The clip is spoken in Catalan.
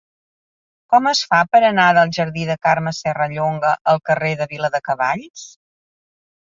Com es fa per anar del jardí de Carme Serrallonga al carrer de Viladecavalls?